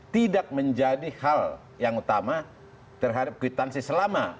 tidak menjadi hal yang utama terhadap kwitansi selama